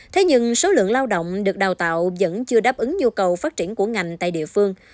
thế nhưng số lượng lao động được đào tạo vẫn chưa đáp ứng nhu cầu phát triển của ngành tại địa phương